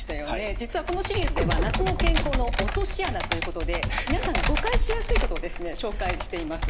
実はこのシリーズでは夏の健康の“落とし穴”ということで皆さんが誤解しやすいことを紹介しています。